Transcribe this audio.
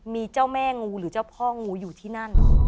มีเจ้าแม่งูหรือเจ้าพ่องูอยู่ที่นั่น